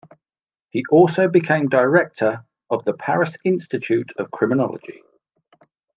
He also became director of the Paris Institute of Criminology.